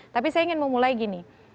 tapi saya ingin memulai gini